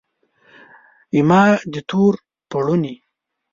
زما د تور پوړنې